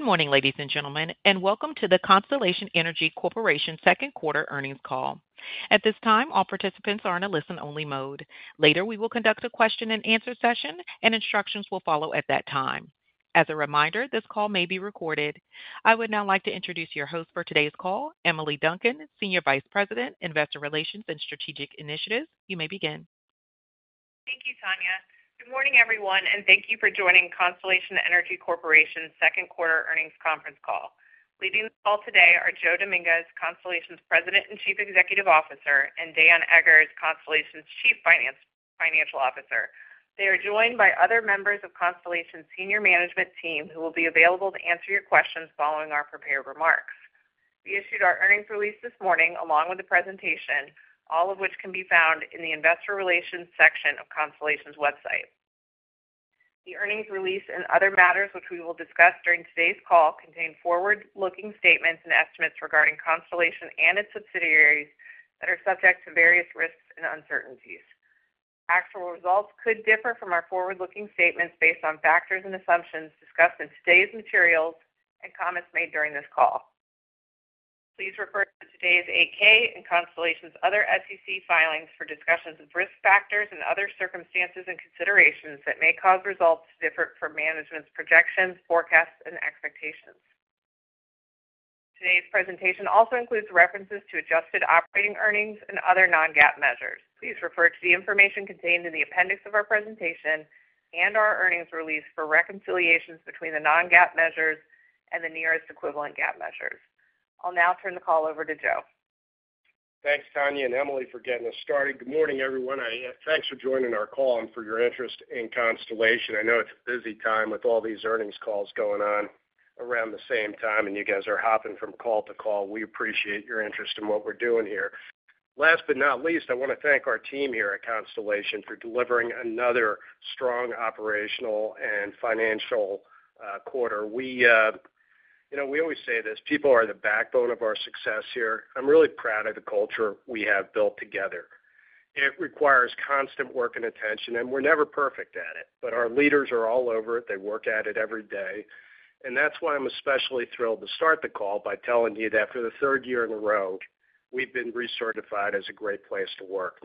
Good morning, ladies and gentlemen, and welcome to the Constellation Energy Corporation second quarter earnings call. At this time, all participants are in a listen-only mode. Later, we will conduct a question-and-answer session, and instructions will follow at that time. As a reminder, this call may be recorded. I would now like to introduce your host for today's call, Emily Duncan, Senior Vice President, Investor Relations and Strategic Initiatives. You may begin. Thank you, Tanya. Good morning, everyone, and thank you for joining Constellation Energy Corporation's second quarter earnings conference call. Leading the call today are Joseph Dominguez, Constellation's President and Chief Executive Officer, and Daniel Eggers, Constellation's Chief Financial Officer. They are joined by other members of Constellation's senior management team who will be available to answer your questions following our prepared remarks. We issued our earnings release this morning along with the presentation, all of which can be found in the Investor Relations section of Constellation's website. The earnings release and other matters which we will discuss during today's call contain forward-looking statements and estimates regarding Constellation and its subsidiaries that are subject to various risks and uncertainties. Actual results could differ from our forward-looking statements based on factors and assumptions discussed in today's materials and comments made during this call. Please refer to today's 8-K and Constellation's other SEC filings for discussions of risk factors and other circumstances and considerations that may cause results to differ from management's projections, forecasts, and expectations. Today's presentation also includes references to adjusted operating earnings and other non-GAAP measures. Please refer to the information contained in the appendix of our presentation and our earnings release for reconciliations between the non-GAAP measures and the nearest equivalent GAAP measures. I'll now turn the call over to Joe. Thanks, Tanya and Emily, for getting us started. Good morning, everyone. Thanks for joining our call and for your interest in Constellation. I know it's a busy time with all these earnings calls going on around the same time, and you guys are hopping from call to call. We appreciate your interest in what we're doing here. Last but not least, I want to thank our team here at Constellation for delivering another strong operational and financial quarter. We always say this, people are the backbone of our success here. I'm really proud of the culture we have built together. It requires constant work and attention, and we're never perfect at it, but our leaders are all over it. They work at it every day. That's why I'm especially thrilled to start the call by telling you that for the third year in a row, we've been recertified as a great place to work.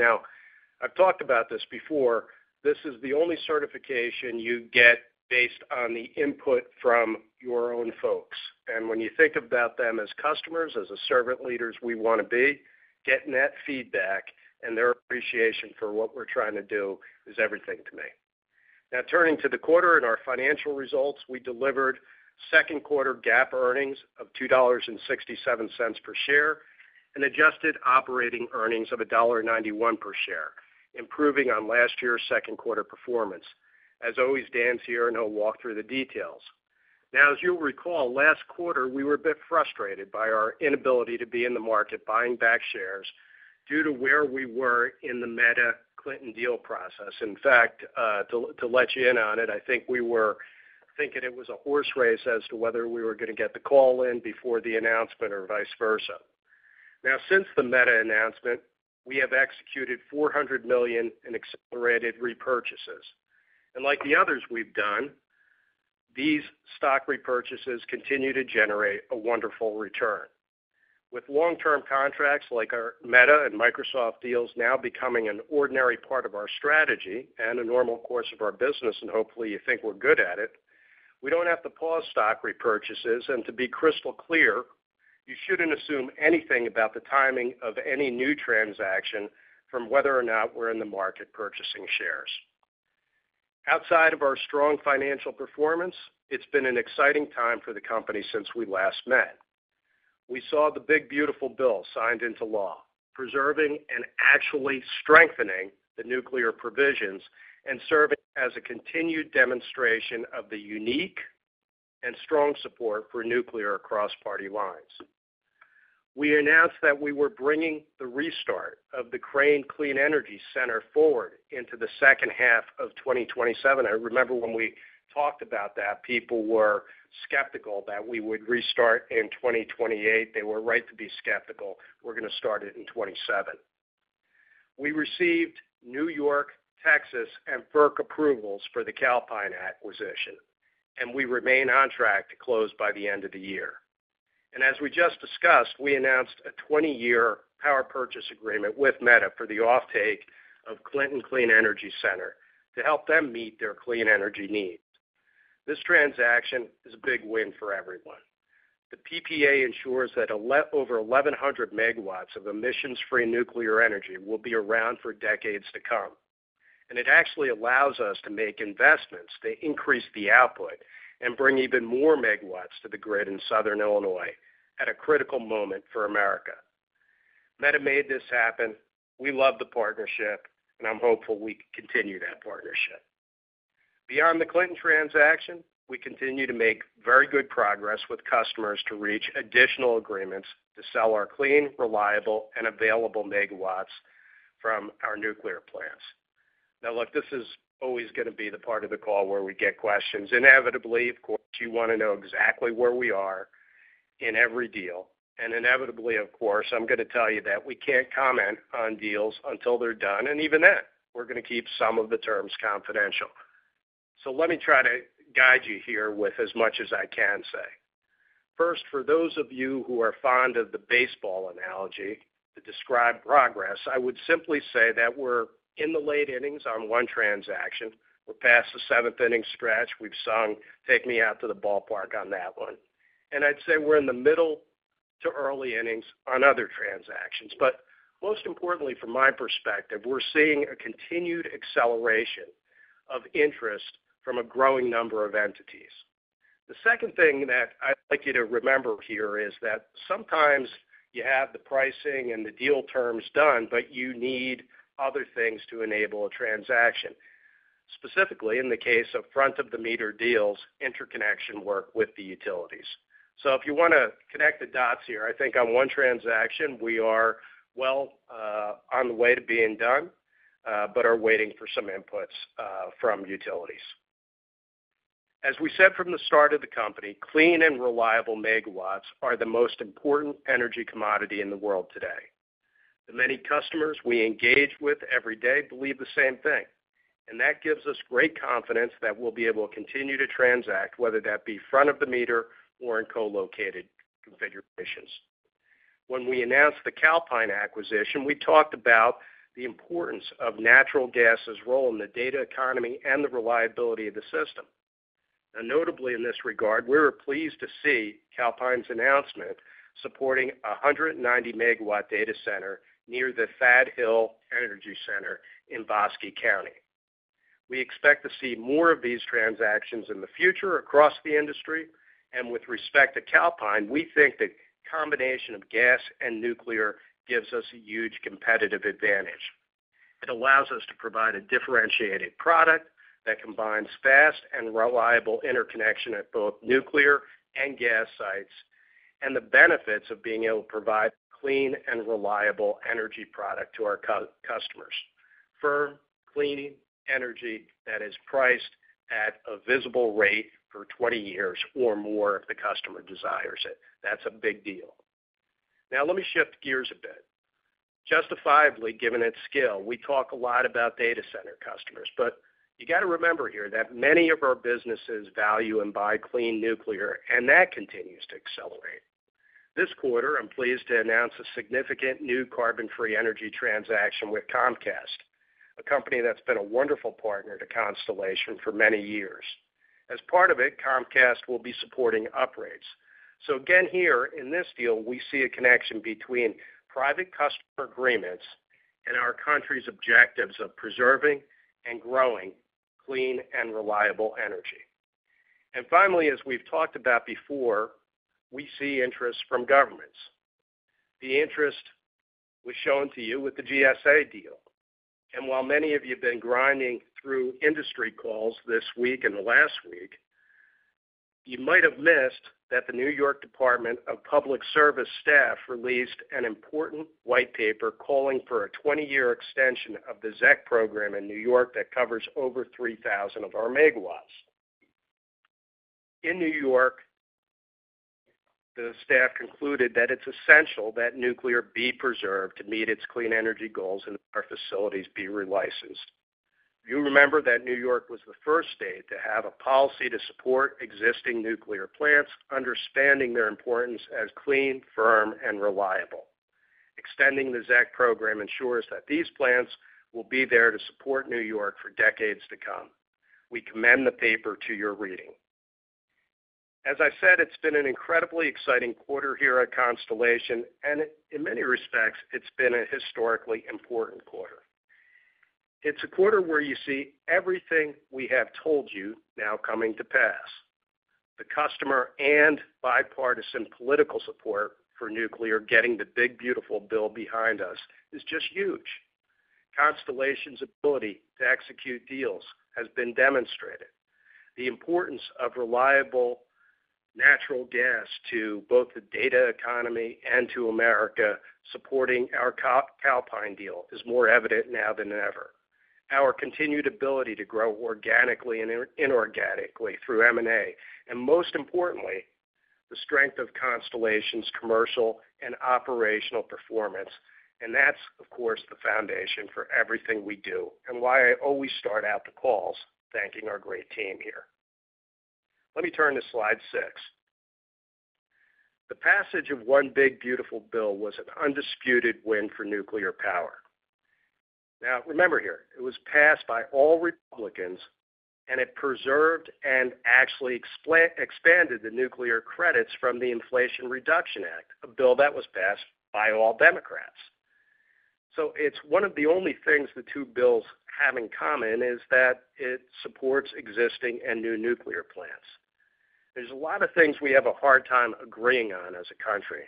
I've talked about this before. This is the only certification you get based on the input from your own folks. When you think about them as customers, as the servant leaders we want to be, getting that feedback and their appreciation for what we're trying to do is everything to me. Now, turning to the quarter and our financial results, we delivered second quarter GAAP earnings of $2.67 per share and adjusted operating earnings of $1.91 per share, improving on last year's second quarter performance. As always, Dan's here and he'll walk through the details. As you'll recall, last quarter we were a bit frustrated by our inability to be in the market buying back shares due to where we were in the Meta-Clinton deal process. In fact, to let you in on it, I think we were thinking it was a horse race as to whether we were going to get the call in before the announcement or vice versa. Since the Meta announcement, we have executed $400 million in accelerated repurchases. Like the others we've done, these stock repurchases continue to generate a wonderful return. With long-term contracts like our Meta and Microsoft deals now becoming an ordinary part of our strategy and a normal course of our business, and hopefully you think we're good at it, we don't have to pause stock repurchases. To be crystal clear, you shouldn't assume anything about the timing of any new transaction from whether or not we're in the market purchasing shares. Outside of our strong financial performance, it's been an exciting time for the company since we last met. We saw the One Big Beautiful Bill Act signed into law, preserving and actually strengthening the nuclear provisions and serving as a continued demonstration of the unique and strong support for nuclear across party lines. We announced that we were bringing the restart of the Crane Clean Energy Center forward into the second half of 2027. I remember when we talked about that, people were skeptical that we would restart in 2028. They were right to be skeptical. We're going to start it in 2027. We received New York, Texas, and FERC approvals for the Calpine acquisition, and we remain on track to close by the end of the year. As we just discussed, we announced a 20-year power purchase agreement with Meta for the offtake of Clinton Clean Energy Center to help them meet their clean energy needs. This transaction is a big win for everyone. The PPA ensures that over 1,100 MW of emissions-free nuclear energy will be around for decades to come. It actually allows us to make investments that increase the output and bring even more megawatts to the grid in Southern Illinois at a critical moment for America. Meta made this happen. We love the partnership, and I'm hopeful we can continue that partnership. Beyond the Clinton transaction, we continue to make very good progress with customers to reach additional agreements to sell our clean, reliable, and available megawatts from our nuclear plants. Now, look, this is always going to be the part of the call where we get questions. Inevitably, of course, you want to know exactly where we are in every deal. Inevitably, of course, I'm going to tell you that we can't comment on deals until they're done. Even then, we're going to keep some of the terms confidential. Let me try to guide you here with as much as I can say. First, for those of you who are fond of the baseball analogy to describe progress, I would simply say that we're in the late innings on one transaction. We're past the seventh inning stretch. We've sung "Take Me Out to the Ballpark" on that one. I'd say we're in the middle to early innings on other transactions. Most importantly, from my perspective, we're seeing a continued acceleration of interest from a growing number of entities. The second thing that I'd like you to remember here is that sometimes you have the pricing and the deal terms done, but you need other things to enable a transaction. Specifically, in the case of front-of-the-meter deals, interconnection work with the utilities. If you want to connect the dots here, I think on one transaction, we are well on the way to being done, but are waiting for some inputs from utilities. As we said from the start of the company, clean and reliable megawatts are the most important energy commodity in the world today. The many customers we engage with every day believe the same thing. That gives us great confidence that we'll be able to continue to transact, whether that be front of the meter or in co-located configurations. When we announced the Calpine acquisition, we talked about the importance of natural gas's role in the data economy and the reliability of the system. Notably in this regard, we were pleased to see Calpine's announcement supporting a 190 MW data center near the Fad Hill Energy Center in Bosque County. We expect to see more of these transactions in the future across the industry. With respect to Calpine, we think the combination of gas and nuclear gives us a huge competitive advantage. It allows us to provide a differentiated product that combines fast and reliable interconnection at both nuclear and gas sites and the benefits of being able to provide a clean and reliable energy product to our customers. Firm clean energy that is priced at a visible rate for 20 years or more if the customer desires it. That's a big deal. Let me shift gears a bit. Justifiably, given its scale, we talk a lot about data center customers. You got to remember here that many of our businesses value and buy clean nuclear, and that continues to accelerate. This quarter, I'm pleased to announce a significant new carbon-free energy transaction with Comcast, a company that's been a wonderful partner to Constellation for many years. As part of it, Comcast will be supporting uprates. In this deal, we see a connection between private customer agreements and our country's objectives of preserving and growing clean and reliable energy. As we've talked about before, we see interest from governments. The interest was shown to you with the GSA deal. While many of you have been grinding through industry calls this week and the last week, you might have missed that the New York Department of Public Service staff released an important white paper calling for a 20-year extension of the ZEC program in New York that covers over 3,000 of our megawatts. In New York, the staff concluded that it's essential that nuclear be preserved to meet its clean energy goals and that our facilities be relicensed. You remember that New York was the first state to have a policy to support existing nuclear plants, understanding their importance as clean, firm, and reliable. Extending the ZEC program ensures that these plants will be there to support New York for decades to come. We commend the paper to your reading. As I've said, it's been an incredibly exciting quarter here at Constellation Energy Corporation, and in many respects, it's been a historically important quarter. It's a quarter where you see everything we have told you now coming to pass. The customer and bipartisan political support for nuclear getting the One Big Beautiful Bill Act behind us is just huge. Constellation Energy Corporation's ability to execute deals has been demonstrated. The importance of reliable natural gas to both the data economy and to America supporting our Calpine deal is more evident now than ever. Our continued ability to grow organically and inorganically through M&A, and most importantly, the strength of Constellation Energy Corporation's commercial and operational performance. That's, of course, the foundation for everything we do and why I always start out the calls thanking our great team here. Let me turn to slide six. The passage of the One Big Beautiful Bill Act was an undisputed win for nuclear power. Now, remember here, it was passed by all Republicans and it preserved and actually expanded the nuclear production tax credits from the Inflation Reduction Act, a bill that was passed by all Democrats. It's one of the only things the two bills have in common is that it supports existing and new nuclear plants. There are a lot of things we have a hard time agreeing on as a country.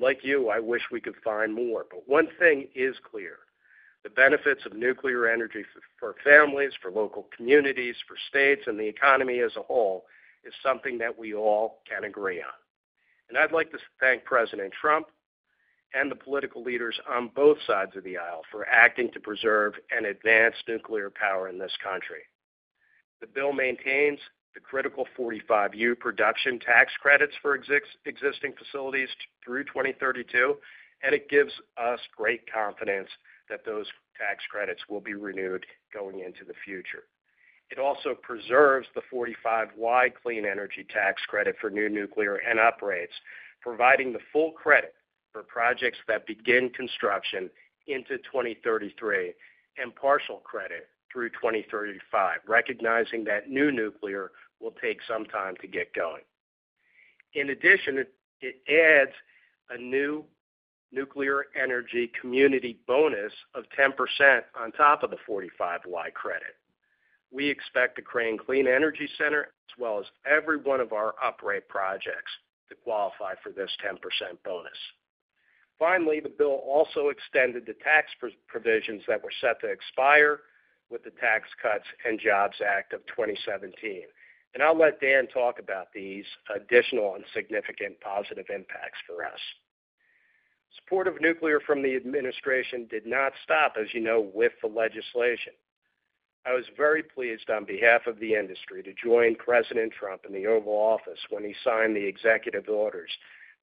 Like you, I wish we could find more. One thing is clear. The benefits of nuclear energy for families, for local communities, for states, and the economy as a whole is something that we all can agree on. I'd like to thank President Trump and the political leaders on both sides of the aisle for acting to preserve and advance nuclear power in this country. The bill maintains the critical 45-year production tax credits for existing facilities through 2032, and it gives us great confidence that those tax credits will be renewed going into the future. It also preserves the 45Y Clean Energy Tax Credit for new nuclear and uprates, providing the full credit for projects that begin construction into 2033 and partial credit through 2035, recognizing that new nuclear will take some time to get going. In addition, it adds a new nuclear energy community bonus of 10% on top of the 45Y credit. We expect the Crane Clean Energy Center, as well as every one of our upgrade projects, to qualify for this 10% bonus. Finally, the bill also extended the tax provisions that were set to expire with the Tax Cuts and Jobs Act of 2017. I'll let Dan talk about these additional and significant positive impacts for us. Support of nuclear from the administration did not stop, as you know, with the legislation. I was very pleased on behalf of the industry to join President Trump in the Oval Office when he signed the executive orders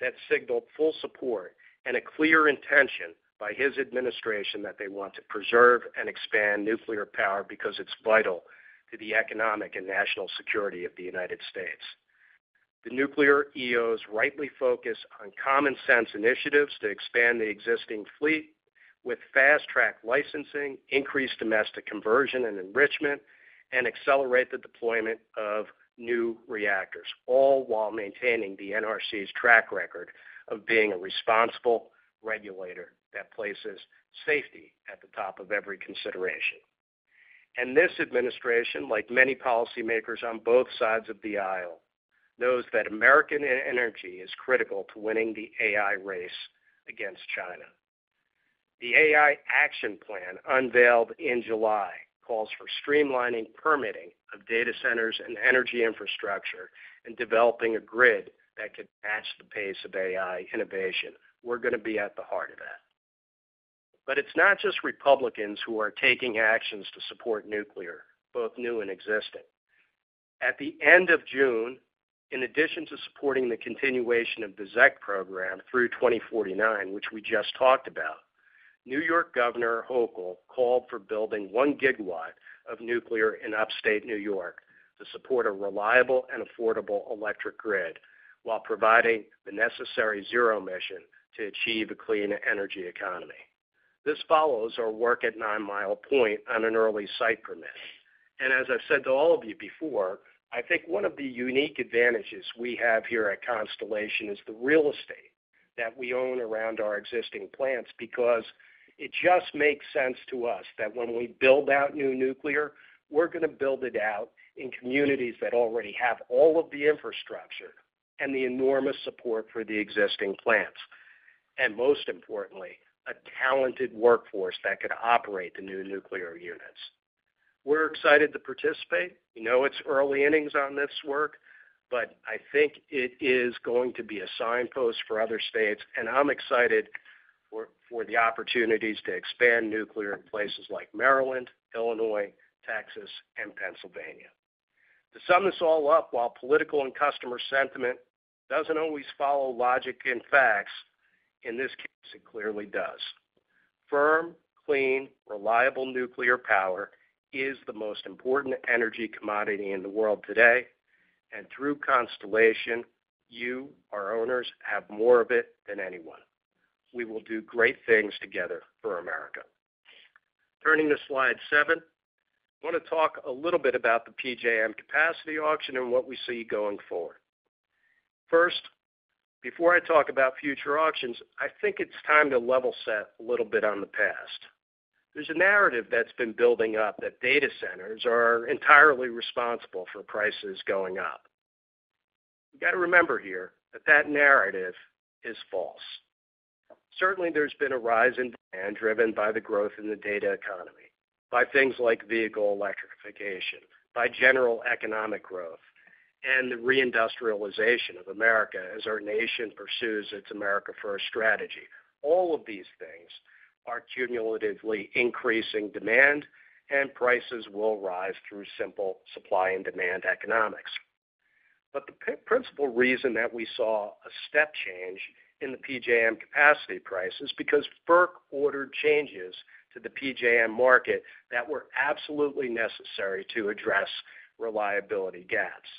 that signaled full support and a clear intention by his administration that they want to preserve and expand nuclear power because it's vital to the economic and national security of the United States. The nuclear EOs rightly focus on common sense initiatives to expand the existing fleet with fast-track licensing, increased domestic conversion and enrichment, and accelerate the deployment of new reactors, all while maintaining the NRC's track record of being a responsible regulator that places safety at the top of every consideration. This administration, like many policymakers on both sides of the aisle, knows that American energy is critical to winning the AI race against China. The AI Action Plan unveiled in July calls for streamlining permitting of data centers and energy infrastructure and developing a grid that could match the pace of AI innovation. We're going to be at the heart of that. It's not just Republicans who are taking actions to support nuclear, both new and existing. At the end of June, in addition to supporting the continuation of the ZEC program through 2049, which we just talked about, New York Governor Hochul called for building one gigawatt of nuclear in upstate New York to support a reliable and affordable electric grid while providing the necessary zero emission to achieve a clean energy economy. This follows our work at Nine Mile Point on an early site permit. As I've said to all of you before, I think one of the unique advantages we have here at Constellation is the real estate that we own around our existing plants because it just makes sense to us that when we build out new nuclear, we're going to build it out in communities that already have all of the infrastructure and the enormous support for the existing plants. Most importantly, a talented workforce could operate the new nuclear units. We're excited to participate. We know it's early innings on this work, but I think it is going to be a signpost for other states. I'm excited for the opportunities to expand nuclear in places like Maryland, Illinois, Texas, and Pennsylvania. To sum this all up, while political and customer sentiment doesn't always follow logic and facts, in this case, it clearly does. Firm, clean, reliable nuclear power is the most important energy commodity in the world today. Through Constellation, you, our owners, have more of it than anyone. We will do great things together for America. Turning to slide seven, I want to talk a little bit about the PJM Capacity Auction and what we see going forward. First, before I talk about future auctions, I think it's time to level set a little bit on the past. There's a narrative that's been building up that data centers are entirely responsible for prices going up. You got to remember here that that narrative is false. Certainly, there's been a rise in demand driven by the growth in the data economy, by things like vehicle electrification, by general economic growth, and the reindustrialization of America as our nation pursues its America First strategy. All of these things are cumulatively increasing demand, and prices will rise through simple supply and demand economics. The principal reason that we saw a step change in the PJM capacity price is because FERC ordered changes to the PJM market that were absolutely necessary to address reliability gaps.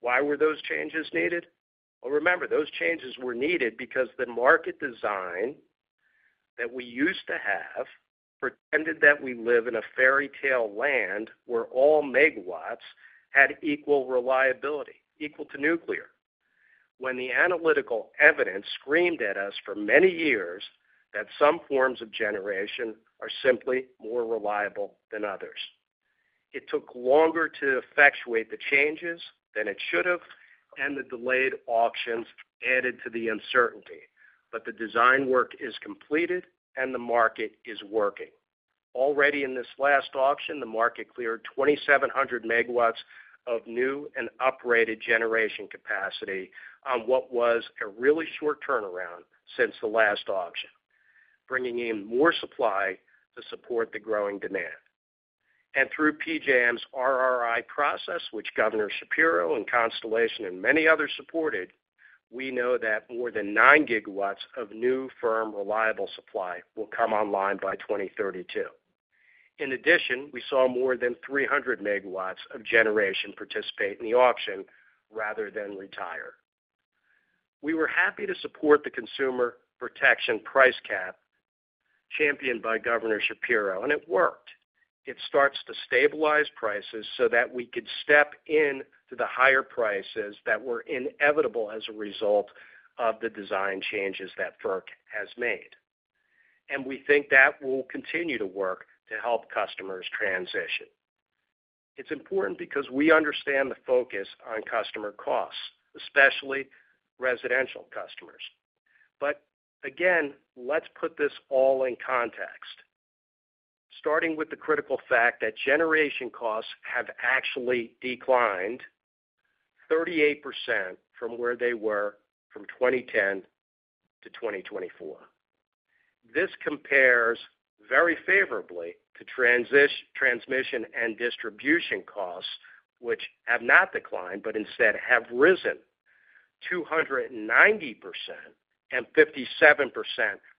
Why were those changes needed? Remember, those changes were needed because the market design that we used to have pretended that we live in a fairy tale land where all megawatts had equal reliability, equal to nuclear. When the analytical evidence screamed at us for many years that some forms of generation are simply more reliable than others, it took longer to effectuate the changes than it should have, and the delayed auctions added to the uncertainty. The design work is completed, and the market is working. Already in this last auction, the market cleared 2,700 MW of new and uprated generation capacity on what was a really short turnaround since the last auction, bringing in more supply to support the growing demand. Through PJM's RRI process, which Governor Shapiro and Constellation and many others supported, we know that more than 9 gigawatts of new, firm, reliable supply will come online by 2032. In addition, we saw more than 300 MW of generation participate in the auction rather than retire. We were happy to support the consumer protection price cap championed by Governor Shapiro, and it worked. It starts to stabilize prices so that we could step into the higher prices that were inevitable as a result of the design changes that FERC has made. We think that will continue to work to help customers transition. It's important because we understand the focus on customer costs, especially residential customers. Again, let's put this all in context, starting with the critical fact that generation costs have actually declined 38% from where they were from 2010 to 2024. This compares very favorably to transmission and distribution costs, which have not declined but instead have risen 290% and 57%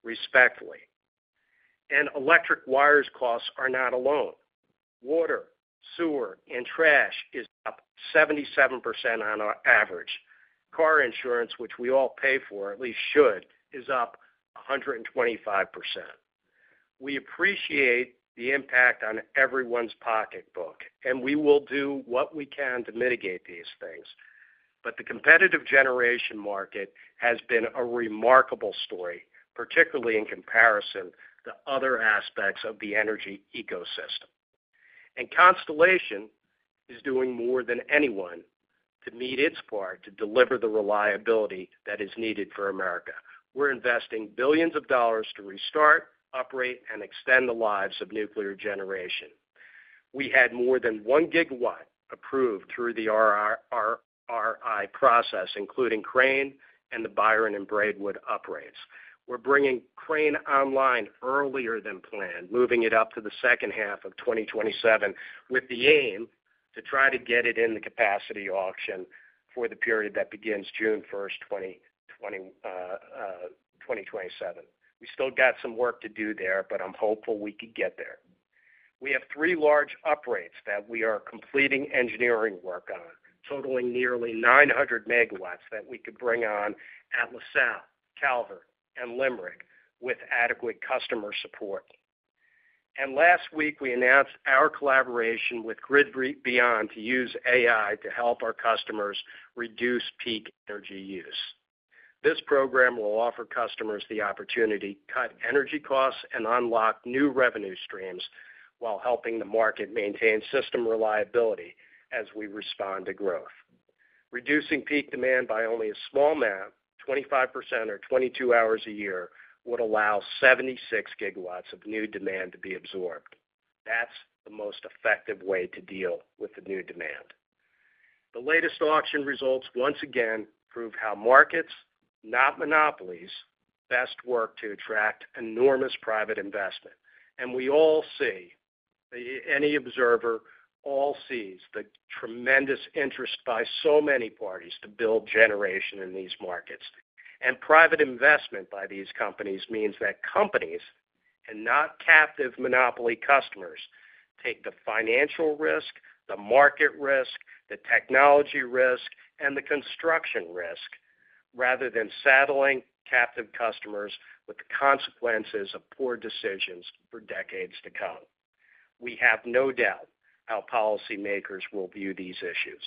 respectively. Electric wires costs are not alone. Water, sewer, and trash is up 77% on average. Car insurance, which we all pay for, at least should, is up 125%. We appreciate the impact on everyone's pocketbook, and we will do what we can to mitigate these things. The competitive generation market has been a remarkable story, particularly in comparison to other aspects of the energy ecosystem. Constellation is doing more than anyone to meet its part to deliver the reliability that is needed for America. We're investing billions of dollars to restart, uprate, and extend the lives of nuclear generation. We had more than 1 GW approved through the RRI process, including Crane and the Byron and Braidwood uprates. We're bringing Crane online earlier than planned, moving it up to the second half of 2027 with the aim to try to get it in the capacity auction for the period that begins June 1, 2027. We still got some work to do there, but I'm hopeful we could get there. We have three large uprates that we are completing engineering work on, totaling nearly 900 MW that we could bring on at LaSalle, Calvert, and Limerick with adequate customer support. Last week, we announced our collaboration with GridBeyond to use AI to help our customers reduce peak energy use. This program will offer customers the opportunity to cut energy costs and unlock new revenue streams while helping the market maintain system reliability as we respond to growth. Reducing peak demand by only a small amount, 25% or 22 hours a year, would allow 76 GW of new demand to be absorbed. That is the most effective way to deal with the new demand. The latest auction results once again prove how markets, not monopolies, best work to attract enormous private investment. Any observer sees the tremendous interest by so many parties to build generation in these markets. Private investment by these companies means that companies and not captive monopoly customers take the financial risk, the market risk, the technology risk, and the construction risk rather than saddling captive customers with the consequences of poor decisions for decades to come. We have no doubt how policymakers will view these issues.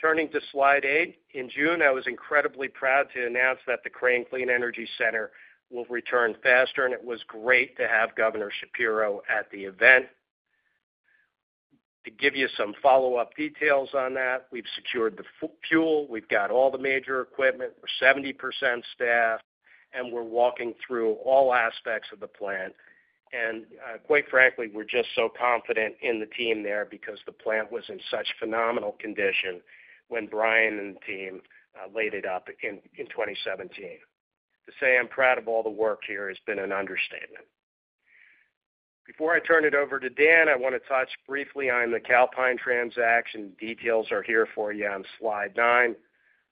Turning to slide eight, in June, I was incredibly proud to announce that the Crane Clean Energy Center will return faster, and it was great to have Governor Shapiro at the event. To give you some follow-up details on that, we've secured the fuel. We've got all the major equipment. We're 70% staffed, and we're walking through all aspects of the plan. Quite frankly, we're just so confident in the team there because the plant was in such phenomenal condition when Bryan and the team laid it up in 2017. To say I'm proud of all the work here has been an understatement. Before I turn it over to Dan, I want to touch briefly on the Calpine transaction. Details are here for you on slide nine.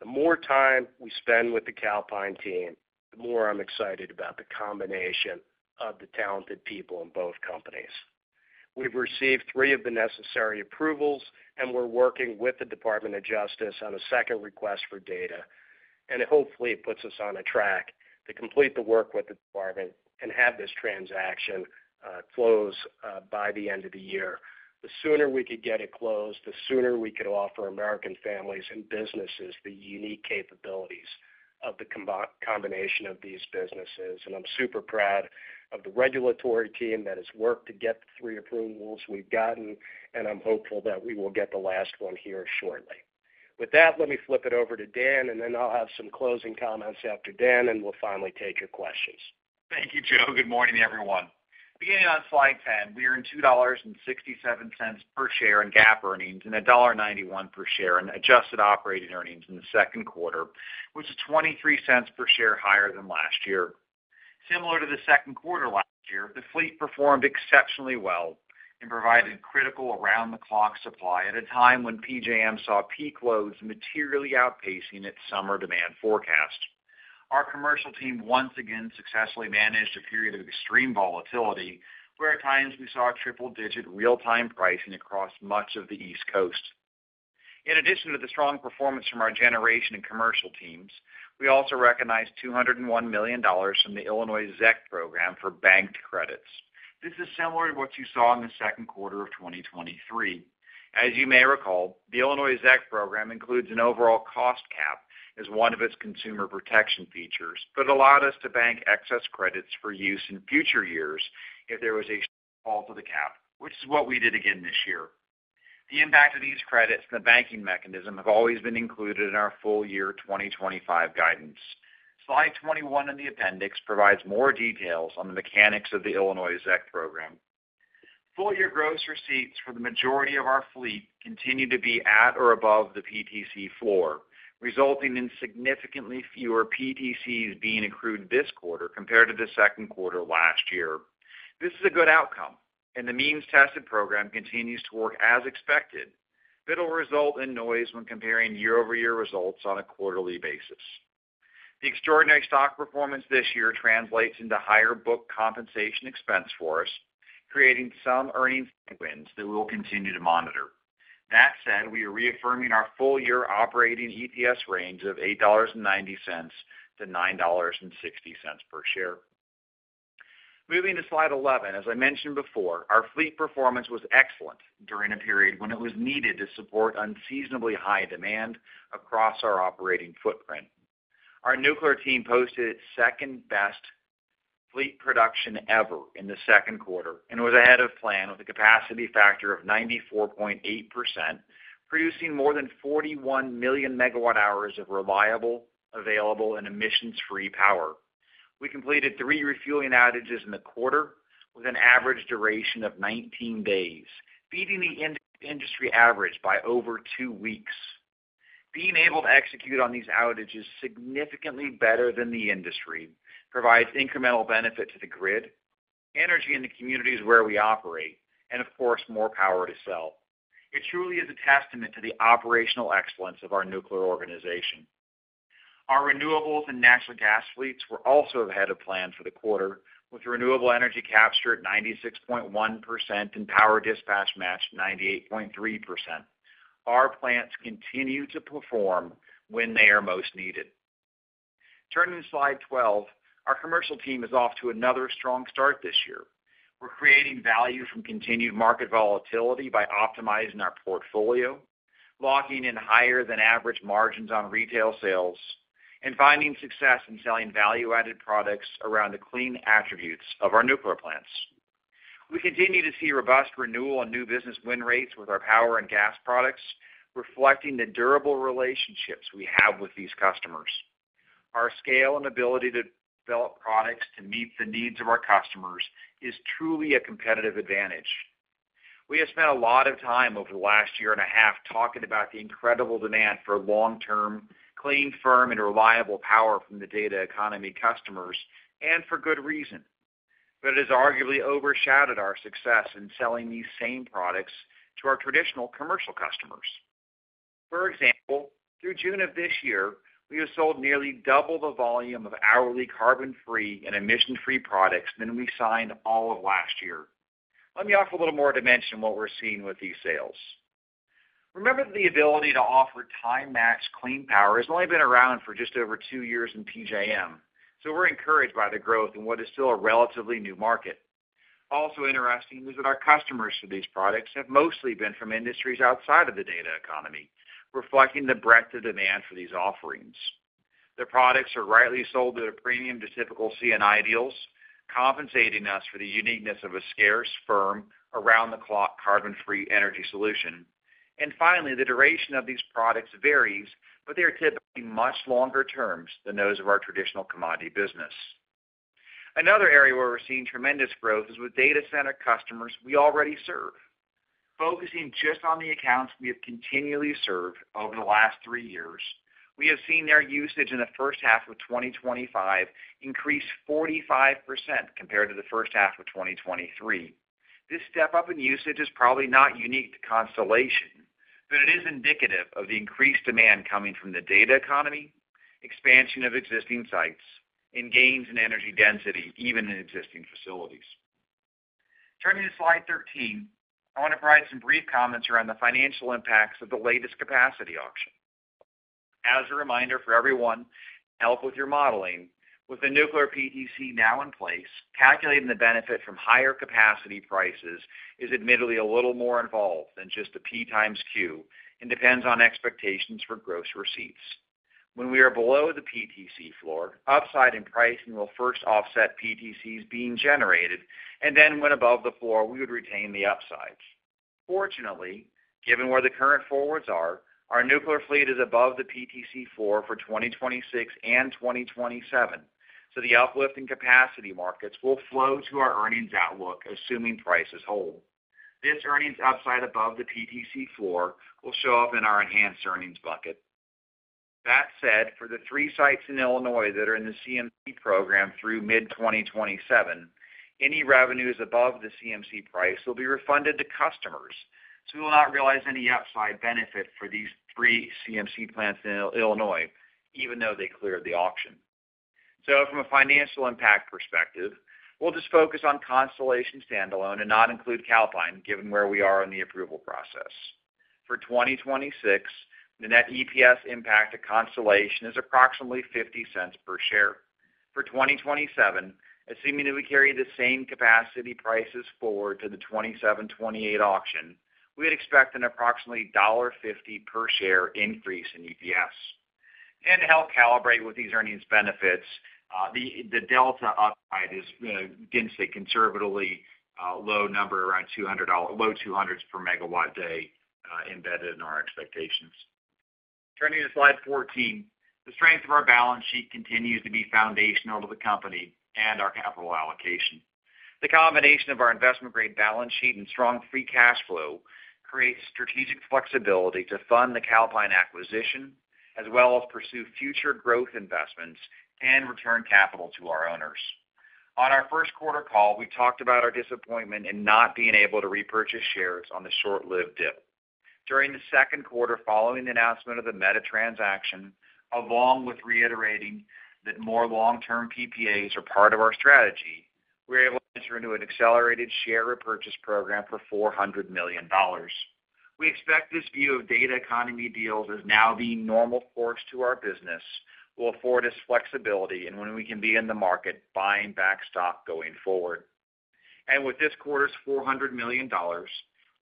The more time we spend with the Calpine team, the more I'm excited about the combination of the talented people in both companies. We've received three of the necessary approvals, and we're working with the Department of Justice on a second request for data. It hopefully puts us on a track to complete the work with the department and have this transaction close by the end of the year. The sooner we could get it closed, the sooner we could offer American families and businesses the unique capabilities of the combination of these businesses. I'm super proud of the regulatory team that has worked to get the three approvals we've gotten, and I'm hopeful that we will get the last one here shortly. With that, let me flip it over to Daniel Eggers, and then I'll have some closing comments after Daniel, and we'll finally take your questions. Thank you, Joe. Good morning, everyone. Beginning on slide 10, we are in $2.67 per share in GAAP earnings and $1.91 per share in adjusted operating earnings in the second quarter, which is $0.23 per share higher than last year. Similar to the second quarter last year, the fleet performed exceptionally well and provided critical around-the-clock supply at a time when PJM saw peak loads materially outpacing its summer demand forecast. Our commercial team once again successfully managed a period of extreme volatility, where at times we saw triple-digit real-time pricing across much of the East Coast. In addition to the strong performance from our generation and commercial teams, we also recognized $201 million from the Illinois ZEC program for banked credits. This is similar to what you saw in the second quarter of 2023. As you may recall, the Illinois ZEC program includes an overall cost cap as one of its consumer protection features, but allowed us to bank excess credits for use in future years if there was a fall to the cap, which is what we did again this year. The impact of these credits and the banking mechanism have always been included in our full-year 2025 guidance. Slide 21 in the appendix provides more details on the mechanics of the Illinois ZEC program. Full-year gross receipts for the majority of our fleet continue to be at or above the PTC floor, resulting in significantly fewer PTCs being accrued this quarter compared to the second quarter last year. This is a good outcome, and the means-tested program continues to work as expected. It'll result in noise when comparing year-over-year results on a quarterly basis. The extraordinary stock performance this year translates into higher book compensation expense for us, creating some earnings that we will continue to monitor. That said, we are reaffirming our full-year operating EPS range of $8.90-$9.60 per share. Moving to slide 11, as I mentioned before, our fleet performance was excellent during a period when it was needed to support unseasonably high demand across our operating footprint. Our nuclear team posted second-best fleet production ever in the second quarter and was ahead of plan with a capacity factor of 94.8%, producing more than 41 million MWh of reliable, available, and emissions-free power. We completed three refueling outages in the quarter with an average duration of 19 days, beating the industry average by over two weeks. Being able to execute on these outages significantly better than the industry provides incremental benefit to the grid, energy in the communities where we operate, and of course, more power to sell. It truly is a testament to the operational excellence of our nuclear organization. Our renewables and natural gas fleets were also ahead of plan for the quarter, with renewable energy captured 96.1% and power dispatch matched 98.3%. Our plants continue to perform when they are most needed. Turning to slide 12, our commercial team is off to another strong start this year. We're creating value from continued market volatility by optimizing our portfolio, locking in higher than average margins on retail sales, and finding success in selling value-added products around the clean attributes of our nuclear plants. We continue to see robust renewal and new business win rates with our power and gas products, reflecting the durable relationships we have with these customers. Our scale and ability to develop products to meet the needs of our customers is truly a competitive advantage. We have spent a lot of time over the last year and a half talking about the incredible demand for long-term clean, firm, and reliable power from the data economy customers, and for good reason. It has arguably overshadowed our success in selling these same products to our traditional commercial customers. For example, through June of this year, we have sold nearly double the volume of hourly carbon-free and emission-free products than we signed all of last year. Let me offer a little more dimension to what we're seeing with these sales. Remember that the ability to offer time-maxed clean power has only been around for just over two years in PJM. We're encouraged by the growth in what is still a relatively new market. Also interesting is that our customers for these products have mostly been from industries outside of the data economy, reflecting the breadth of demand for these offerings. The products are rightly sold at a premium to typical CNI deals, compensating us for the uniqueness of a scarce, firm, around-the-clock carbon-free energy solution. Finally, the duration of these products varies, but they're typically much longer terms than those of our traditional commodity business. Another area where we're seeing tremendous growth is with data center customers we already serve. Focusing just on the accounts we have continually served over the last three years, we have seen their usage in the first half of 2025 increase 45% compared to the first half of 2023. This step up in usage is probably not unique to Constellation Energy Corporation, but it is indicative of the increased demand coming from the data economy, expansion of existing sites, and gains in energy density, even in existing facilities. Turning to slide 13, I want to provide some brief comments around the financial impacts of the latest capacity auction. As a reminder for everyone, help with your modeling. With the nuclear production tax credit now in place, calculating the benefit from higher capacity prices is admittedly a little more involved than just a P times Q and depends on expectations for gross receipts. When we are below the nuclear production tax credit floor, upside in pricing will first offset nuclear production tax credits being generated, and then when above the floor, we would retain the upsides. Fortunately, given where the current forwards are, our nuclear fleet is above the nuclear production tax credit floor for 2026 and 2027. The uplift in capacity markets will flow to our earnings outlook, assuming prices hold. This earnings upside above the nuclear production tax credit floor will show up in our enhanced earnings bucket. That said, for the three sites in Illinois that are in the CMC program through mid-2027, any revenues above the CMC price will be refunded to customers. We will not realize any outside benefit for these three CMC plants in Illinois, even though they cleared the auction. From a financial impact perspective, we'll just focus on Constellation Energy Corporation standalone and not include Calpine, given where we are in the approval process. For 2026, the net EPS impact to Constellation Energy Corporation is approximately $0.50 per share. For 2027, assuming that we carry the same capacity prices forward to the 2027, 2028 auction, we would expect an approximately $1.50 per share increase in EPS. To help calibrate with these earnings benefits, the delta upside is against a conservatively low number, around $200 per megawatt day embedded in our expectations. Turning to slide 14, the strength of our balance sheet continues to be foundational to the company and our capital allocation. The combination of our investment-grade balance sheet and strong free cash flow creates strategic flexibility to fund the Calpine acquisition, as well as pursue future growth investments and return capital to our owners. On our first quarter call, we talked about our disappointment in not being able to repurchase shares on the short-lived dip. During the second quarter following the announcement of the Meta transaction, along with reiterating that more long-term PPAs are part of our strategy, we were able to enter into an accelerated share repurchase program for $400 million. We expect this view of data economy deals as now being normal parts to our business will afford us flexibility in when we can be in the market buying back stock going forward. With this quarter's $400 million,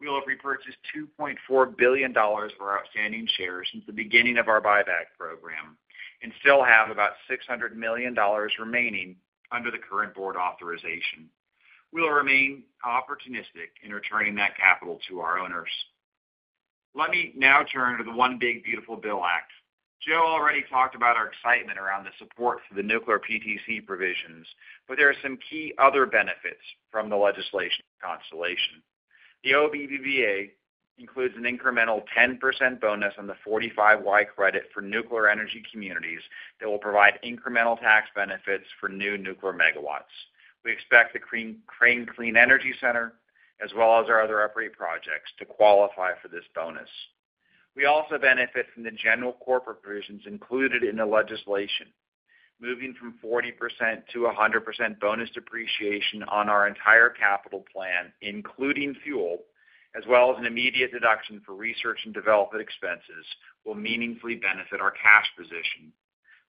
we will have repurchased $2.4 billion of our outstanding shares since the beginning of our buyback program and still have about $600 million remaining under the current board authorization. We will remain opportunistic in returning that capital to our owners. Let me now turn to the One Big Beautiful Bill Act. Joe already talked about our excitement around the support for the nuclear PTC provisions, but there are some key other benefits from the legislation for Constellation. The One Big Beautiful Bill Act includes an incremental 10% bonus on the 45Y credit for nuclear energy communities that will provide incremental tax benefits for new nuclear megawatts. We expect the Crane Clean Energy Center, as well as our other uprate projects, to qualify for this bonus. We also benefit from the general corporate provisions included in the legislation. Moving from 40% to 100% bonus depreciation on our entire capital plan, including fuel, as well as an immediate deduction for research and development expenses, will meaningfully benefit our cash position.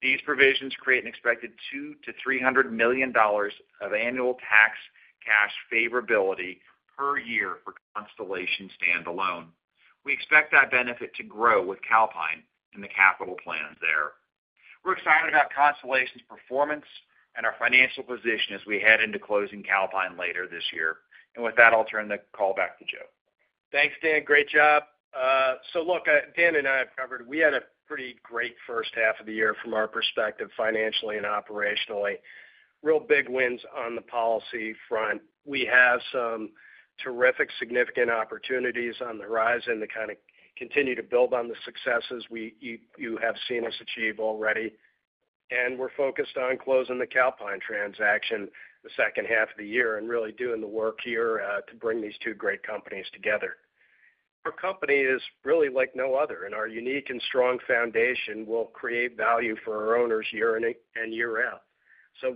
These provisions create an expected $200 million-$300 million of annual tax cash favorability per year for Constellation standalone. We expect that benefit to grow with Calpine and the capital plans there. We are excited about Constellation's performance and our financial position as we head into closing Calpine later this year. With that, I'll turn the call back to Joe. Thanks, Dan. Great job. Dan and I have covered, we had a pretty great first half of the year from our perspective financially and operationally. Real big wins on the policy front. We have some terrific, significant opportunities on the horizon to kind of continue to build on the successes you have seen us achieve already. We're focused on closing the Calpine transaction the second half of the year and really doing the work here to bring these two great companies together. Our company is really like no other, and our unique and strong foundation will create value for our owners year in and year out.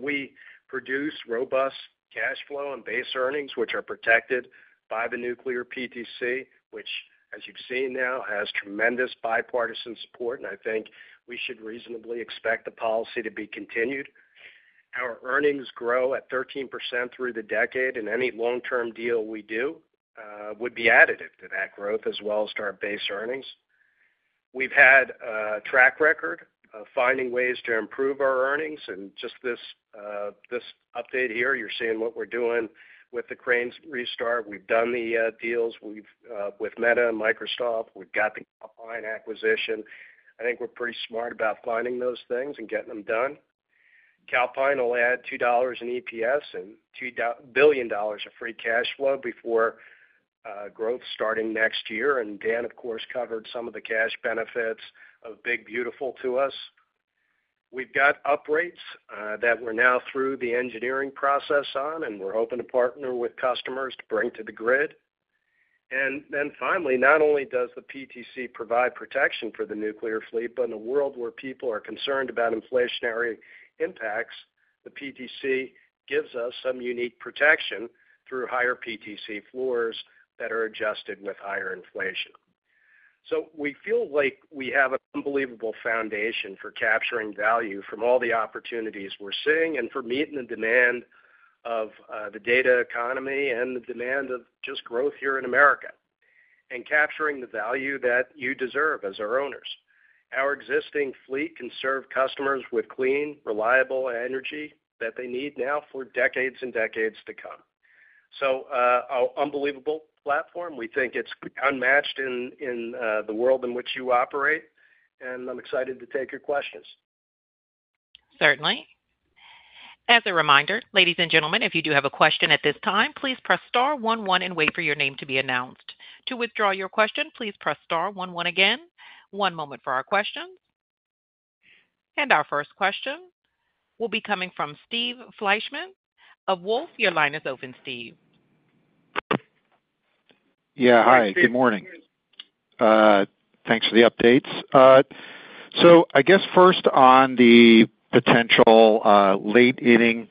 We produce robust cash flow and base earnings, which are protected by the nuclear PTC, which, as you've seen now, has tremendous bipartisan support. I think we should reasonably expect the policy to be continued. Our earnings grow at 13% through the decade, and any long-term deal we do would be additive to that growth as well as to our base earnings. We've had a track record of finding ways to improve our earnings. In this update here, you're seeing what we're doing with the Crane Clean Energy Center's restart. We've done the deals with Meta and Microsoft. We've got the Calpine acquisition. I think we're pretty smart about finding those things and getting them done. Calpine will add $2 in EPS and $2 billion of free cash flow before growth starting next year. Dan, of course, covered some of the cash benefits of One Big Beautiful Bill Act to us. We've got uprates that we're now through the engineering process on, and we're hoping to partner with customers to bring to the grid. Not only does the PTC provide protection for the nuclear fleet, but in a world where people are concerned about inflationary impacts, the PTC gives us some unique protection through higher PTC floors that are adjusted with higher inflation. We feel like we have an unbelievable foundation for capturing value from all the opportunities we're seeing and for meeting the demand of the data economy and the demand of just growth here in America and capturing the value that you deserve as our owners. Our existing fleet can serve customers with clean, reliable energy that they need now for decades and decades to come. Unbelievable platform. We think it's unmatched in the world in which you operate. I'm excited to take your questions. Certainly. As a reminder, ladies and gentlemen, if you do have a question at this time, please press star one one and wait for your name to be announced. To withdraw your question, please press star one one again. One moment for our questions. Our first question will be coming from Steve Fleishman of Wolfe Research. Your line is open, Steve. Yeah. Hi. Good morning. Thanks for the updates. First, on the potential late-stage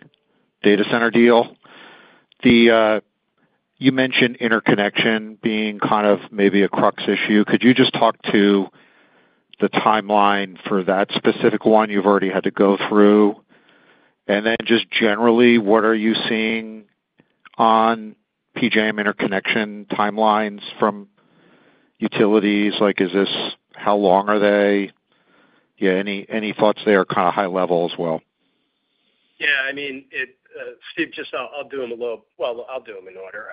data center deal, you mentioned interconnection being kind of maybe a crux issue. Could you just talk to the timeline for that specific one you've already had to go through? Generally, what are you seeing on PJM interconnection timelines from utilities? How long are they? Any thoughts there, kind of high level as well? Yeah. I mean, Steve, I'll do them in order.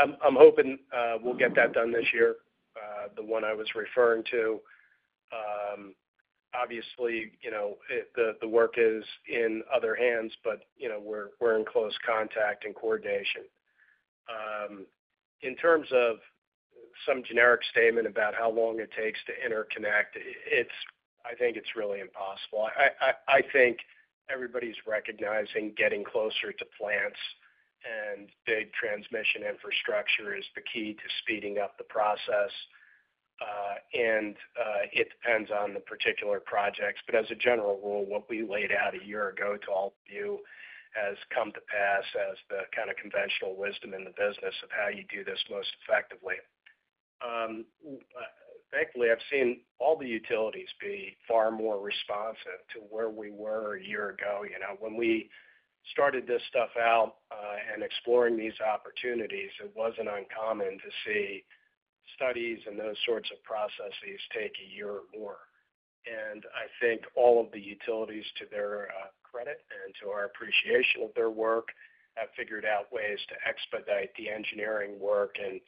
I'm hoping we'll get that done this year, the one I was referring to. Obviously, the work is in other hands, but we're in close contact and coordination. In terms of some generic statement about how long it takes to interconnect, I think it's really impossible. I think everybody's recognizing getting closer to plants and big transmission infrastructure is the key to speeding up the process. It depends on the particular projects. As a general rule, what we laid out a year ago to all of you has come to pass as the kind of conventional wisdom in the business of how you do this most effectively. Thankfully, I've seen all the utilities be far more responsive to where we were a year ago. When we started this out and exploring these opportunities, it wasn't uncommon to see studies and those sorts of processes take a year or more. I think all of the utilities, to their credit and to our appreciation of their work, have figured out ways to expedite the engineering work and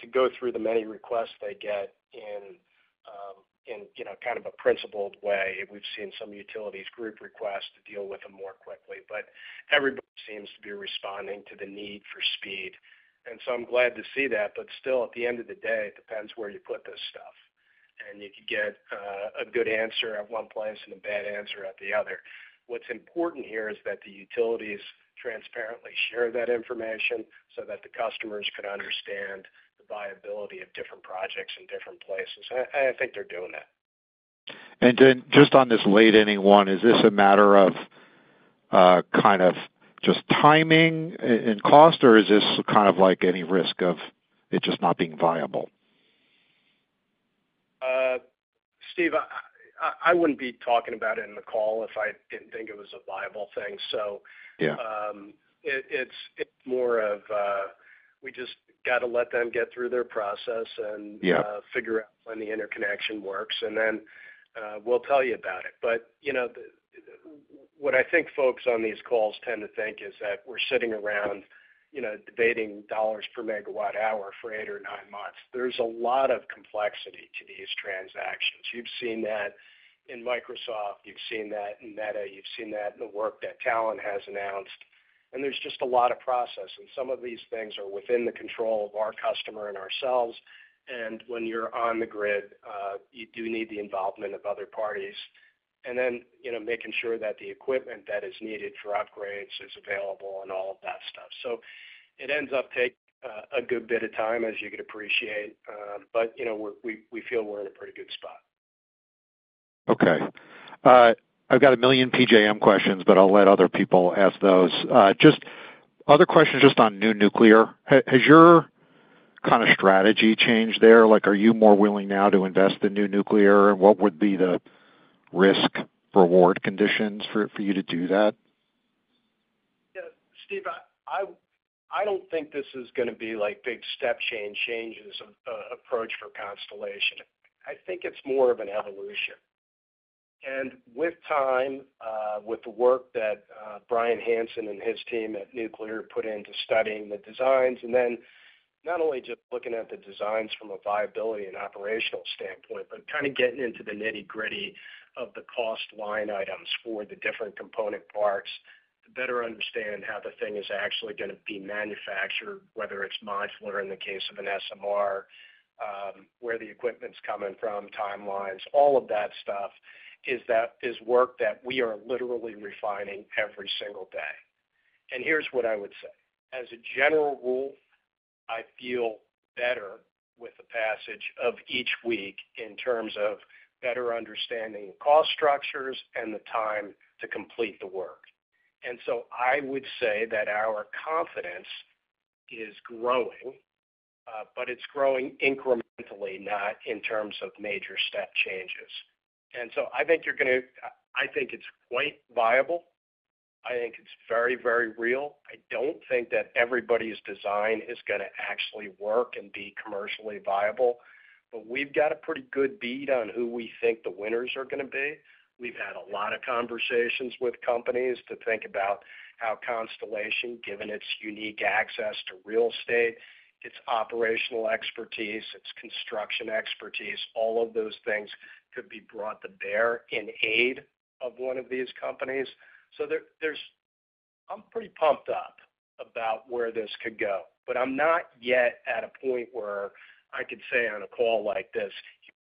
to go through the many requests they get in, in a principled way. We've seen some utilities group requests to deal with them more quickly. Everybody seems to be responding to the need for speed. I'm glad to see that. Still, at the end of the day, it depends where you put this stuff. You could get a good answer at one place and a bad answer at the other. What's important here is that the utilities transparently share that information so that the customers can understand the viability of different projects in different places. I think they're doing that. Is this a matter of kind of just timing and cost, or is this kind of like any risk of it just not being viable? Steve, I wouldn't be talking about it in the call if I didn't think it was a viable thing. Yeah, it's more of we just got to let them get through their process and figure out when the interconnection works. We'll tell you about it. What I think folks on these calls tend to think is that we're sitting around debating dollars per megawatt hour for eight or nine months. There's a lot of complexity to these transactions. You've seen that in Microsoft. You've seen that in Meta. You've seen that in the work that Talon has announced. There's just a lot of process. Some of these things are within the control of our customer and ourselves. When you're on the grid, you do need the involvement of other parties. Making sure that the equipment that is needed for upgrades is available and all of that stuff ends up taking a good bit of time, as you could appreciate. We feel we're in a pretty good spot. Okay. I've got a million PJM questions, but I'll let other people ask those. Just other questions just on new nuclear. Has your kind of strategy changed there? Like, are you more willing now to invest in new nuclear? What would be the risk-reward conditions for you to do that? Yeah. Steve, I don't think this is going to be like big step change changes of approach for Constellation. I think it's more of an evolution. With time, with the work that Bryan Hanson and his team at Nuclear put into studying the designs, and then not only just looking at the designs from a viability and operational standpoint, but kind of getting into the nitty-gritty of the cost line items for the different component parts, to better understand how the thing is actually going to be manufactured, whether it's modular in the case of an SMR, where the equipment's coming from, timelines, all of that stuff is work that we are literally refining every single day. Here's what I would say. As a general rule, I feel better with the passage of each week in terms of better understanding cost structures and the time to complete the work. I would say that our confidence is growing, but it's growing incrementally, not in terms of major step changes. I think it's quite viable. I think it's very, very real. I don't think that everybody's design is going to actually work and be commercially viable. We've got a pretty good bead on who we think the winners are going to be. We've had a lot of conversations with companies to think about how Constellation, given its unique access to real estate, its operational expertise, its construction expertise, all of those things could be brought to bear in aid of one of these companies. I'm pretty pumped up about where this could go. I'm not yet at a point where I could say on a call like this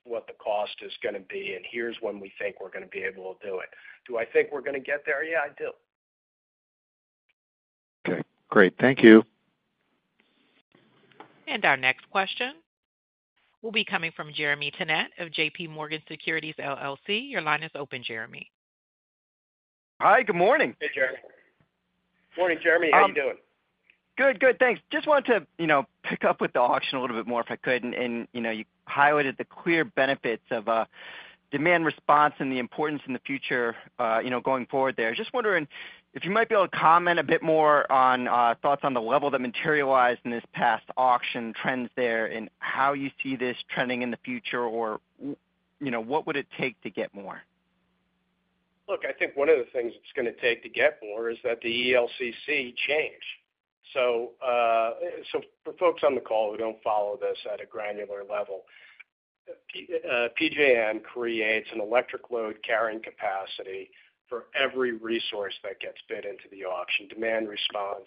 what the cost is going to be, and here's when we think we're going to be able to do it. Do I think we're going to get there? Yeah, I do. Okay. Great. Thank you. Our next question will be coming from Jeremy Tonet of J.P. Morgan Securities LLC. Your line is open, Jeremy. Hi. Good morning. Hey, Jeremy. Morning, Jeremy. How are you doing? Good. Thanks. Just wanted to pick up with the auction a little bit more if I could. You highlighted the clear benefits of demand response and the importance in the future going forward there. Just wondering if you might be able to comment a bit more on thoughts on the level that materialized in this past auction, trends there, and how you see this trending in the future, or what would it take to get more? Look, I think one of the things it's going to take to get more is that the ELCC change. For folks on the call who don't follow this at a granular level, PJM creates an electric load carrying capacity for every resource that gets bid into the auction: demand response,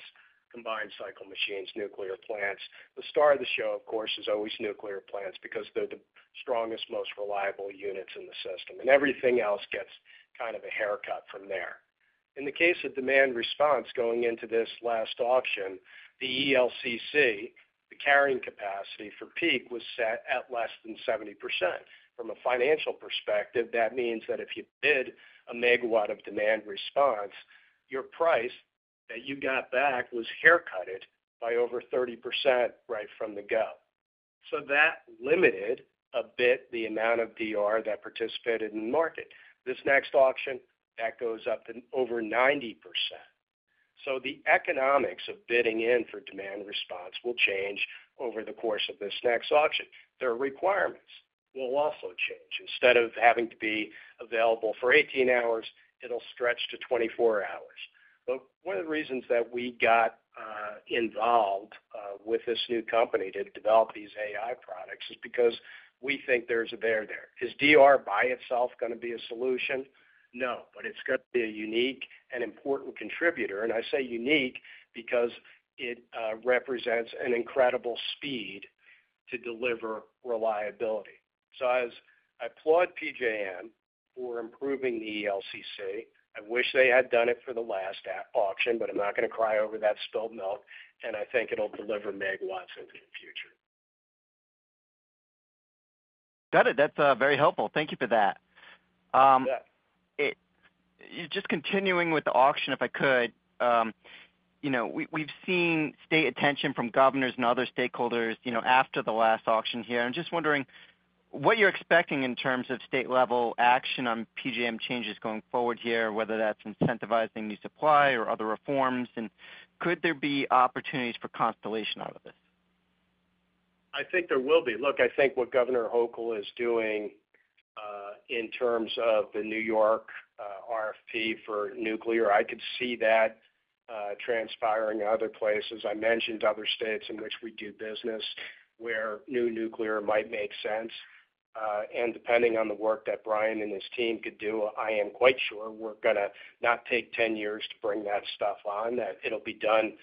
combined cycle machines, nuclear plants. The star of the show, of course, is always nuclear plants because they're the strongest, most reliable units in the system. Everything else gets kind of a haircut from there. In the case of demand response going into this last auction, the ELCC, the carrying capacity for peak, was set at less than 70%. From a financial perspective, that means that if you bid a megawatt of demand response, your price that you got back was haircut by over 30% right from the go. That limited a bit the amount of demand response that participated in the market. This next auction, that goes up to over 90%. The economics of bidding in for demand response will change over the course of this next auction. Their requirements will also change. Instead of having to be available for 18 hours, it'll stretch to 24 hours. One of the reasons that we got involved with this new company to develop these AI-driven solutions is because we think there's a bear there. Is demand response by itself going to be a solution? No, but it's got to be a unique and important contributor. I say unique because it represents an incredible speed to deliver reliability. I applaud PJM for improving the ELCC. I wish they had done it for the last auction, but I'm not going to cry over that spilled milk. I think it'll deliver megawatts into the future. Got it. That's very helpful. Thank you for that. You're just continuing with the auction, if I could. We've seen state attention from governors and other stakeholders after the last auction here. I'm just wondering what you're expecting in terms of state-level action on PJM changes going forward here, whether that's incentivizing new supply or other reforms. Could there be opportunities for Constellation out of this? I think there will be. Look, I think what Governor Hochul is doing, in terms of the New York RFP for nuclear, I could see that transpiring in other places. I mentioned other states in which we do business where new nuclear might make sense. Depending on the work that Bryan and his team could do, I am quite sure we're going to not take 10 years to bring that stuff on. It will be done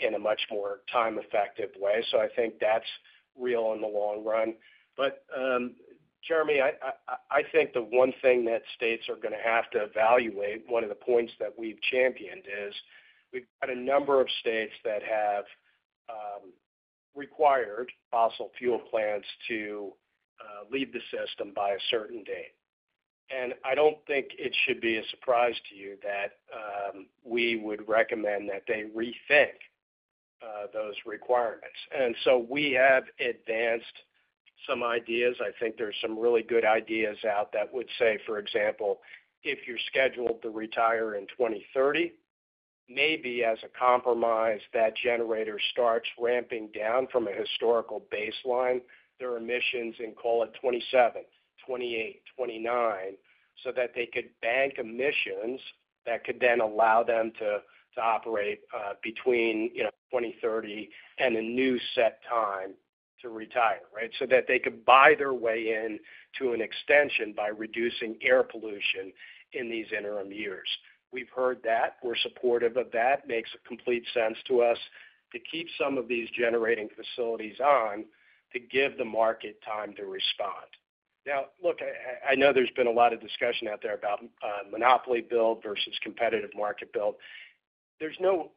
in a much more time-effective way. I think that's real in the long run. Jeremy, I think the one thing that states are going to have to evaluate, one of the points that we've championed is we've got a number of states that have required fossil fuel plants to leave the system by a certain date. I don't think it should be a surprise to you that we would recommend that they rethink those requirements. We have advanced some ideas. I think there's some really good ideas out that would say, for example, if you're scheduled to retire in 2030, maybe as a compromise, that generator starts ramping down from a historical baseline, their emissions in, call it, 2027, 2028, 2029, so that they could bank emissions that could then allow them to operate between 2030 and a new set time to retire, right? They could buy their way in to an extension by reducing air pollution in these interim years. We've heard that. We're supportive of that. It makes complete sense to us to keep some of these generating facilities on to give the market time to respond. Now, look, I know there's been a lot of discussion out there about monopoly build versus competitive market build. There's no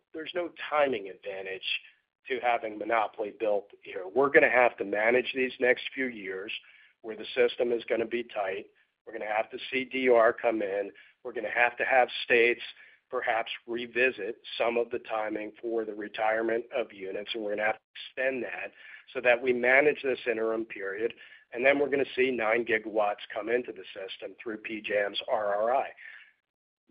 timing advantage to having monopoly build here. We're going to have to manage these next few years where the system is going to be tight. We're going to have to see demand response come in. We're going to have to have states perhaps revisit some of the timing for the retirement of units. We're going to have to extend that so that we manage this interim period. Then we're going to see nine gigawatts come into the system through PJM's RRI.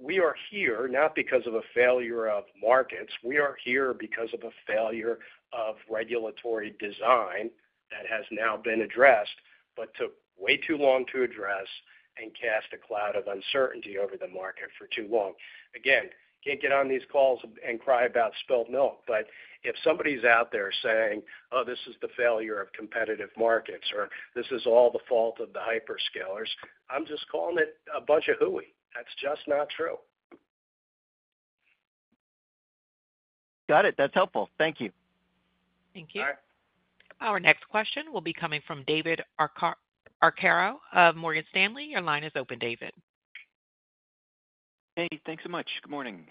We are here not because of a failure of markets. We are here because of a failure of regulatory design that has now been addressed, but took way too long to address and cast a cloud of uncertainty over the market for too long. You can't get on these calls and cry about spilled milk. If somebody's out there saying, "Oh, this is the failure of competitive markets," or, "This is all the fault of the hyperscalers," I'm just calling it a bunch of hooey. That's just not true. Got it. That's helpful. Thank you. Thank you. All right. Our next question will be coming from David Arcaro of Morgan Stanley. Your line is open, David. Hey, thanks so much. Good morning.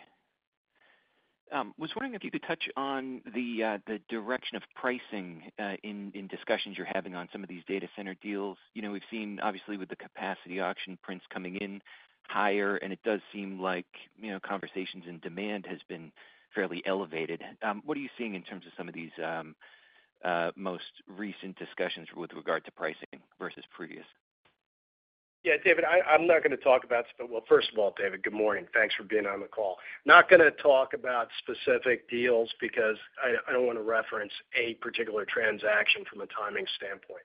I was wondering if you could touch on the direction of pricing in discussions you're having on some of these data center deals. We've seen, obviously, with the capacity auction prints coming in higher, and it does seem like conversations in demand have been fairly elevated. What are you seeing in terms of some of these most recent discussions with regard to pricing versus previous? Yeah, David, I'm not going to talk about, first of all, David, good morning. Thanks for being on the call. Not going to talk about specific deals because I don't want to reference a particular transaction from a timing standpoint.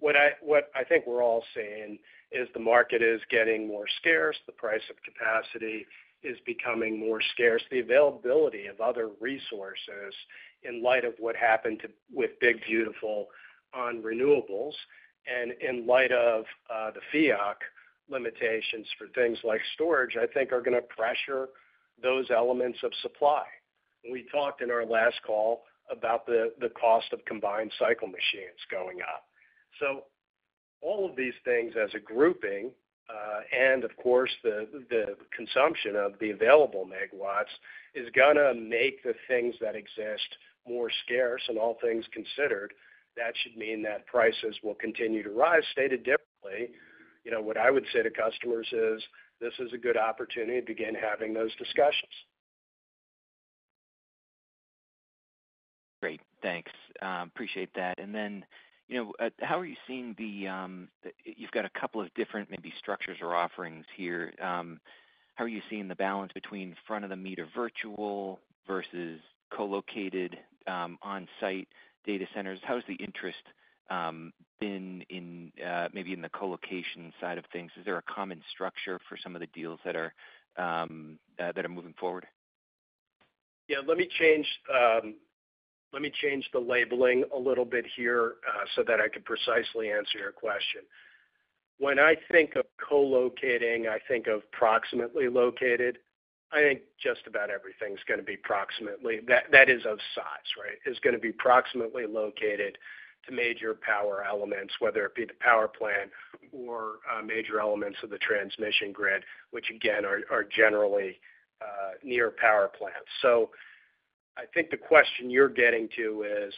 What I think we're all seeing is the market is getting more scarce. The price of capacity is becoming more scarce. The availability of other resources in light of what happened with One Big Beautiful Bill Act on renewables and in light of the FERC limitations for things like storage, I think, are going to pressure those elements of supply. We talked in our last call about the cost of combined cycle machines going up. All of these things as a grouping, and of course, the consumption of the available megawatts is going to make the things that exist more scarce. All things considered, that should mean that prices will continue to rise. Stated differently, you know, what I would say to customers is this is a good opportunity to begin having those discussions. Great. Thanks. Appreciate that. You know, how are you seeing the, you've got a couple of different maybe structures or offerings here. How are you seeing the balance between front-of-the-meter virtual versus colocated, on-site data centers? How has the interest been in, maybe in the colocation side of things? Is there a common structure for some of the deals that are moving forward? Yeah. Let me change the labeling a little bit here, so that I could precisely answer your question. When I think of colocating, I think of proximately located. I think just about everything's going to be proximately. That is of size, right? It's going to be proximately located to major power elements, whether it be the power plant or major elements of the transmission grid, which again are generally near power plants. I think the question you're getting to is,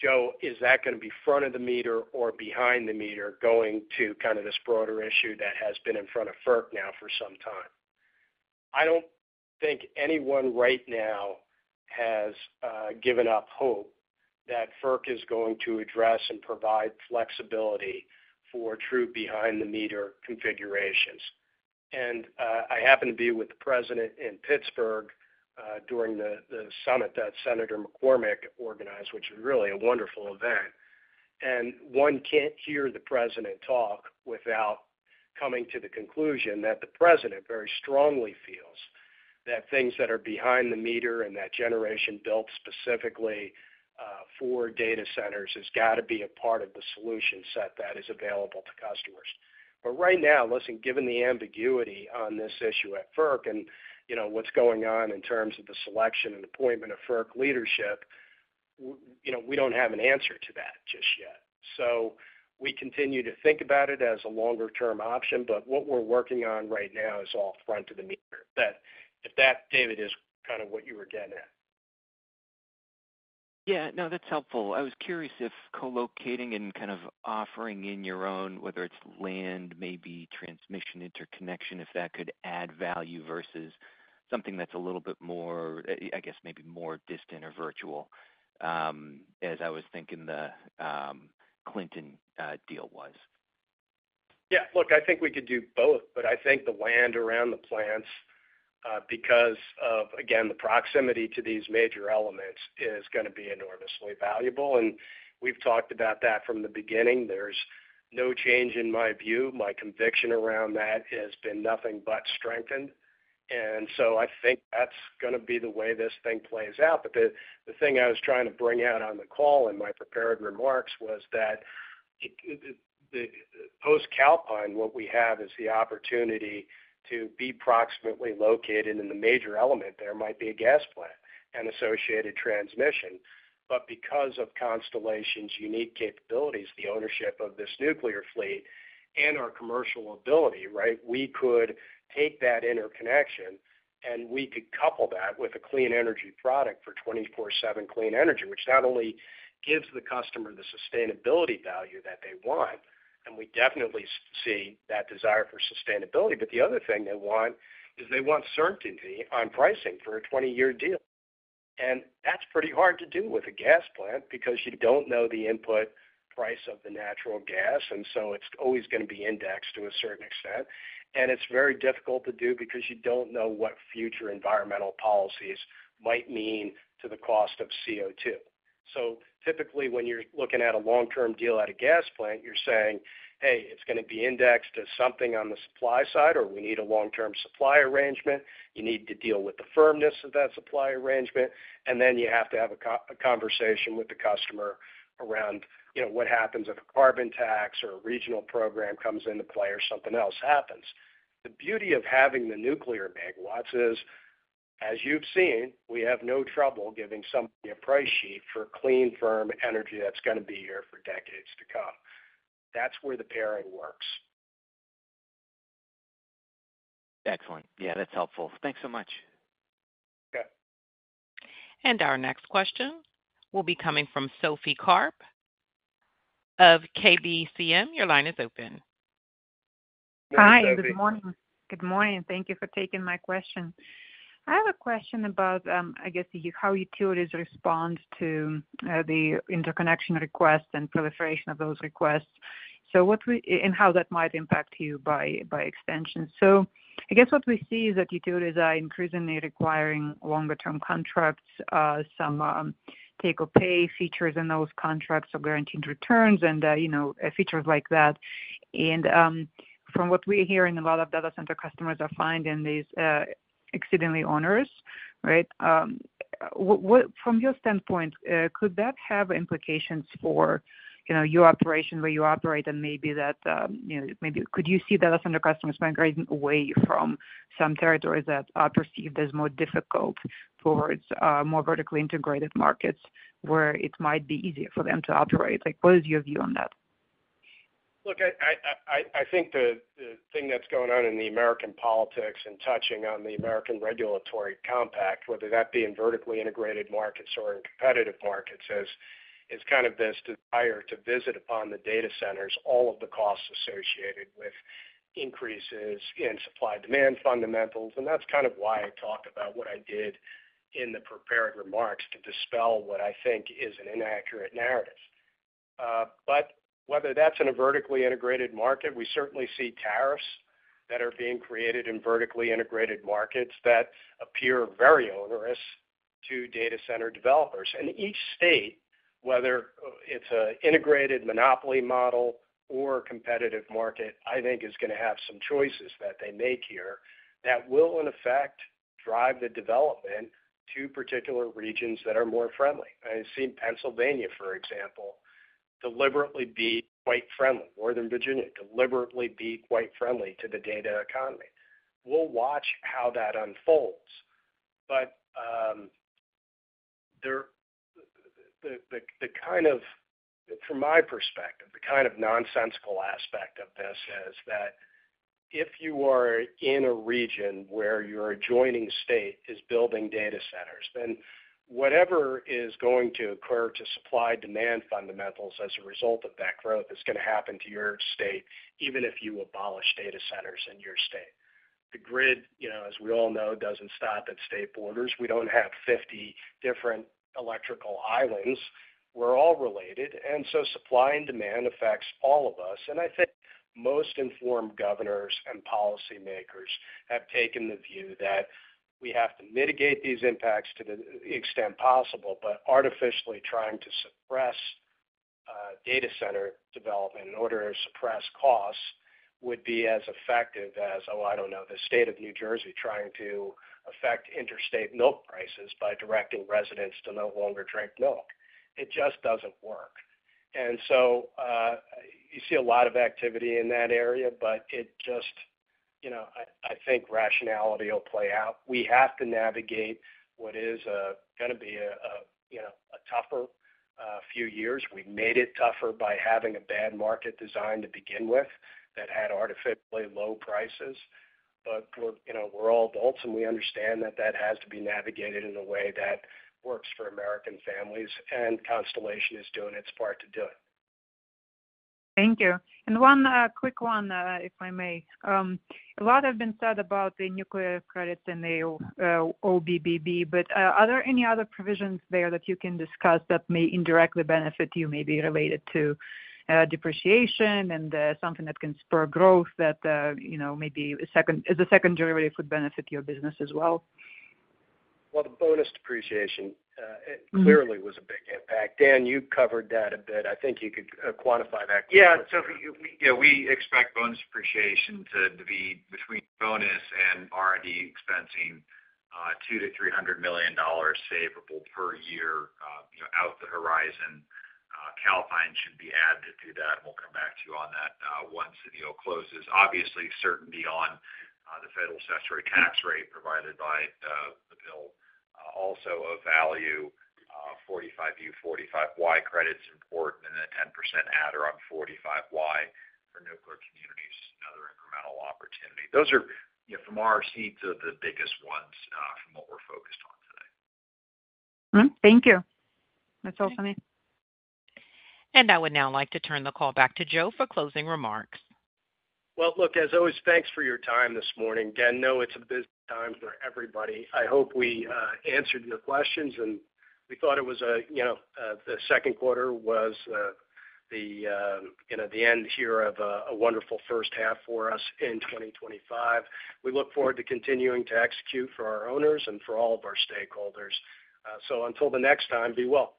Joe, is that going to be front of the meter or behind the meter, going to kind of this broader issue that has been in front of FERC now for some time? I don't think anyone right now has given up hope that FERC is going to address and provide flexibility for true behind-the-meter configurations. I happen to be with the President in Pittsburgh during the summit that Senator McCormick organized, which was really a wonderful event. One can't hear the President talk without coming to the conclusion that the President very strongly feels that things that are behind the meter and that generation built specifically for data centers has got to be a part of the solution set that is available to customers. Right now, listen, given the ambiguity on this issue at FERC and what's going on in terms of the selection and appointment of FERC leadership, we don't have an answer to that just yet. We continue to think about it as a longer-term option. What we're working on right now is all front of the meter. If that, David, is kind of what you were getting at. Yeah, no, that's helpful. I was curious if colocating and kind of offering in your own, whether it's land, maybe transmission interconnection, if that could add value versus something that's a little bit more, I guess, maybe more distant or virtual, as I was thinking the Clinton deal was. Yeah. Look, I think we could do both. I think the land around the plants, because of, again, the proximity to these major elements, is going to be enormously valuable. We've talked about that from the beginning. There's no change in my view. My conviction around that has been nothing but strengthened. I think that's going to be the way this thing plays out. The thing I was trying to bring out on the call in my prepared remarks was that post-Calpine, what we have is the opportunity to be proximately located in the major element. There might be a gas plant and associated transmission. Because of Constellation Energy Corporation's unique capabilities, the ownership of this nuclear fleet, and our commercial ability, right, we could take that interconnection, and we could couple that with a clean energy product for 24/7 clean energy, which not only gives the customer the sustainability value that they want, and we definitely see that desire for sustainability, the other thing they want is they want certainty on pricing for a 20-year deal. That's pretty hard to do with a gas plant because you don't know the input price of the natural gas. It's always going to be indexed to a certain extent. It's very difficult to do because you don't know what future environmental policies might mean to the cost of CO2. Typically, when you're looking at a long-term deal at a gas plant, you're saying, "Hey, it's going to be indexed to something on the supply side," or, "We need a long-term supply arrangement. You need to deal with the firmness of that supply arrangement." You have to have a conversation with the customer around, you know, what happens if a carbon tax or a regional program comes into play or something else happens. The beauty of having the nuclear megawatts is, as you've seen, we have no trouble giving somebody a price sheet for clean, firm energy that's going to be here for decades to come. That's where the pairing works. Excellent. Yeah, that's helpful. Thanks so much. Okay. Our next question will be coming from Sophie Karp of KBCM. Your line is open. Hi. Good morning. Thank you for taking my question. I have a question about how utilities respond to the interconnection requests and proliferation of those requests and how that might impact you by extension. What we see is that utilities are increasingly requiring longer-term contracts, some take-or-pay features in those contracts, or guaranteed returns, and features like that. From what we're hearing, a lot of data center customers are finding these exceedingly onerous, right? From your standpoint, could that have implications for your operation where you operate? Maybe could you see data center customers migrating away from some territories that are perceived as more difficult towards more vertically integrated markets where it might be easier for them to operate? What is your view on that? Look, I think the thing that's going on in the American politics and touching on the American regulatory compact, whether that be in vertically integrated markets or in competitive markets, is kind of this desire to visit upon the data centers all of the costs associated with increases in supply-demand fundamentals. That's kind of why I talked about what I did in the prepared remarks to dispel what I think is an inaccurate narrative. Whether that's in a vertically integrated market, we certainly see tariffs that are being created in vertically integrated markets that appear very onerous to data center developers. Each state, whether it's an integrated monopoly model or a competitive market, I think is going to have some choices that they make here that will, in effect, drive the development to particular regions that are more friendly. I've seen Pennsylvania, for example, deliberately be quite friendly. Northern Virginia deliberately be quite friendly to the data economy. We'll watch how that unfolds. From my perspective, the kind of nonsensical aspect of this is that if you are in a region where your adjoining state is building data centers, then whatever is going to occur to supply-demand fundamentals as a result of that growth is going to happen to your state, even if you abolish data centers in your state. The grid, you know, as we all know, doesn't stop at state borders. We don't have 50 different electrical islands. We're all related, and so supply and demand affects all of us. I think most informed governors and policymakers have taken the view that we have to mitigate these impacts to the extent possible, but artificially trying to suppress data center development in order to suppress costs would be as effective as, oh, I don't know, the state of New Jersey trying to affect interstate milk prices by directing residents to no longer drink milk. It just doesn't work. You see a lot of activity in that area, but it just, you know, I think rationality will play out. We have to navigate what is going to be a tougher few years. We made it tougher by having a bad market design to begin with that had artificially low prices. We're all adults, and we understand that that has to be navigated in a way that works for American families, and Constellation Energy Corporation is doing its part to do it. Thank you. One quick one, if I may. A lot has been said about the nuclear credit and the One Big Beautiful Bill Act, but are there any other provisions there that you can discuss that may indirectly benefit you, maybe related to depreciation and something that can spur growth that, you know, maybe is a secondary relief would benefit your business as well? The bonus depreciation clearly was a big impact. Dan, you covered that a bit. I think you could quantify that. Yeah, we expect bonus depreciation to be, between bonus and R&D expensing, $200 million-$300 million savable per year out the horizon. Calpine should be added to that, and we'll come back to you on that once the deal closes. Obviously, certainly beyond the federal statutory tax rate provided by the bill. Also of value, 45U, 45Y credits important and the 10% adder on 45Y for nuclear communities. Another incremental opportunity. Those are, from our seats, the biggest ones from what we're focused on today. Thank you. That's all for me. I would now like to turn the call back to Joe for closing remarks. As always, thanks for your time this morning. Dan, I know it's a busy time for everybody. I hope we answered your questions, and we thought it was the end here of a wonderful first half for us in 2025. We look forward to continuing to execute for our owners and for all of our stakeholders. Until the next time, be well.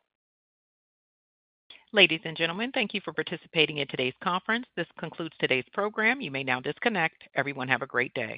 Ladies and gentlemen, thank you for participating in today's conference. This concludes today's program. You may now disconnect. Everyone, have a great day.